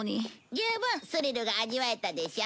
十分スリルが味わえたでしょ？